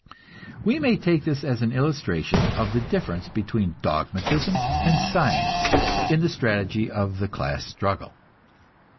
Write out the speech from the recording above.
We may take this as an illustration of the difference between dogmatism and science in the strategy of the class struggle.